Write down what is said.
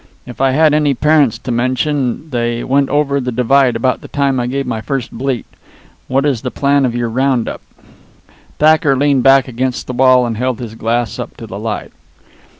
"If I had any parents to mention they went over the divide about the time I gave my first bleat. What is the plan of your round up?" Thacker leaned back against the wall and held his glass up to the light.